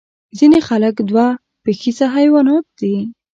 ځینې خلک دوه پښیزه حیوانات دي